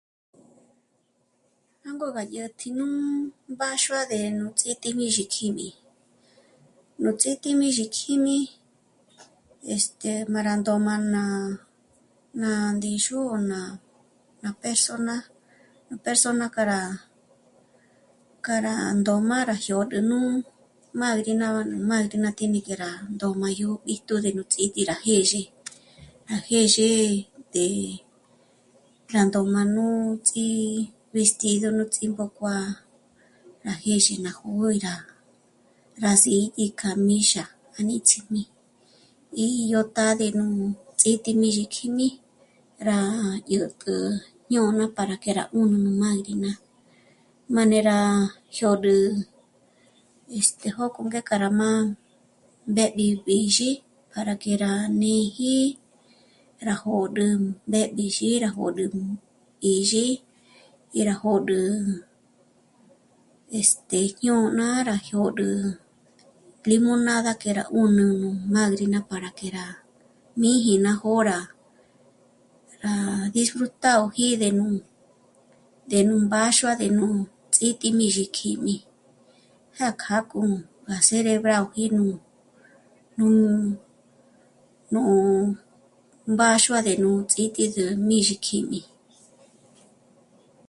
Jângo gá dyätji nú mbáxua de nú Ts'ítǐ'i Mízhikjími: Nú Ts'ítǐ'i Mízhikjími este... má rá ndóm'a ná... ná ndíxu o ná persona, nú persona k'a rá, k'a rá ndómá rá jyôd'ü nú mádrina, nú mádrina tiene que rá töm'a yó b'íjtu de nú Ts'ítǐ'i ná jêzhe. Ná jêzhe té'e jândo má nú'u ts'ívestido nú ts'ímbójkuá'a ná jíxi ná jó'o í rá... rá síji k'a míxa nú níts'imi y yó tá'a de nú Ts'ítǐ'i Mízhikjími rá dyät'ä jñôna para que rá 'ùnü nú mádrina, manera jyôd'ü este... jókò ngé k'a rá má mbéb'ib'ixí k'a que rá míji rá jôd'ü mbéb'ixí rá jôd'ü 'íxi dyé rá jôd'ü... este... jñôna rá jyö̂rü limonada que rá 'ùnü nú madrina para que rá mîji ná jô'o rá... rá disfrutagöji de nú... de nú mbáxua, de nú Ts'ítǐ'i Mízhikjími ja kâ'a k'u má celebragoji nú..., nú..., nú... mbáxua de nú Ts'ítǐ'i Mízhikjími